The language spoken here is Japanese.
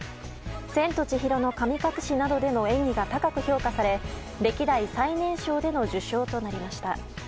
「千と千尋の神隠し」などでの演技が高く評価され歴代最年少での受賞となりました。